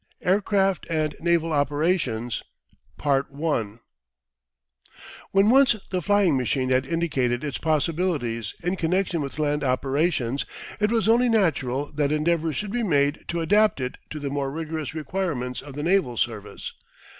AIRCRAFT AND NAVAL OPERATIONS When once the flying machine had indicated its possibilities in connection with land operations it was only natural that endeavours should be made to adapt it to the more rigorous requirements of the naval service.